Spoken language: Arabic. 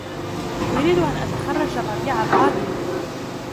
أريد أن أتخرج الربيع القادم.